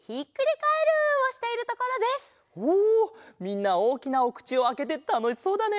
みんなおおきなおくちをあけてたのしそうだね！